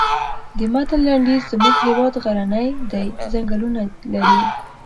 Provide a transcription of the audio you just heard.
د متن لنډیز زموږ هېواد غرنی دی ځنګلونه لري.